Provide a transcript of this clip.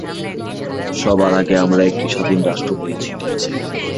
সবার আগে আমরা একটি স্বাধীন রাষ্ট্র পেয়েছি।